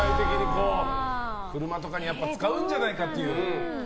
車とかに使うんじゃないかと。